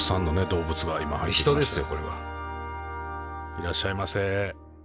いらっしゃいませ。